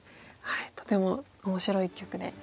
とても面白い一局で。